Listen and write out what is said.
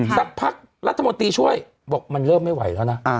สักพักรัฐมนตรีช่วยบอกมันเริ่มไม่ไหวแล้วนะ